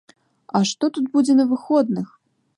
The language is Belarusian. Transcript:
А што тут будзе на выходных!